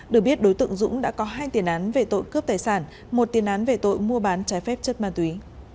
được biết đối tượng dũng đã có hai tiền án về tội cướp tài sản một tiền án về tội mua bán trái phép chất ma túy